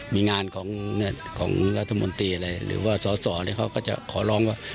มีงานของรัฐมนตรีอะไรหรือว่าสอสอเขาก็จะขอร้องว่า